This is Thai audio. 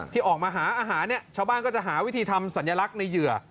ที่ออกมาหาอาหารเนี่ยชาวบ้านก็จะหาวิธีทำสัญลักษณ์ในเหยื่อ